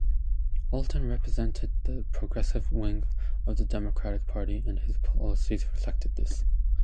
Walton represented the progressive wing of the Democratic Party and his policies reflected this.